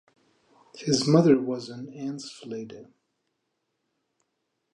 His mother was Ansflede.